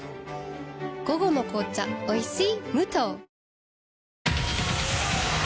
午後の紅茶おいしい